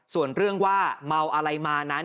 ส่วนเรื่องว่าเมาอะไรมานั้น